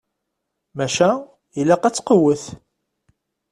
Maca ilaq ad tqewwet.